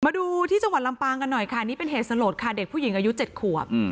มาดูที่จังหวัดลำปางกันหน่อยค่ะนี่เป็นเหตุสลดค่ะเด็กผู้หญิงอายุ๗ขวบ